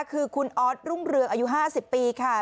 คือคุณออสรุ่งเรืองอายุ๕๐ปีค่ะ